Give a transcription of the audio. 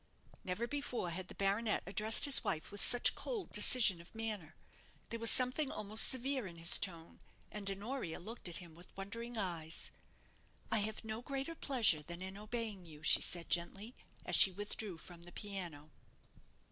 Never before had the baronet addressed his wife with such cold decision of manner. There was something almost severe in his tone, and Honoria looked at him with wondering eyes. "I have no greater pleasure than in obeying you," she said, gently, as she withdrew from the piano.